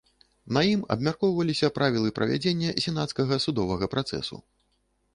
На ім абмяркоўваліся правілы правядзення сенацкага судовага працэсу.